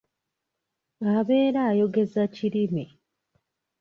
Abeera ayogeza kirimi.